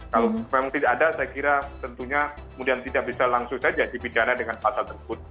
kalau memang tidak ada saya kira tentunya kemudian tidak bisa langsung saja dipidana dengan pasal tersebut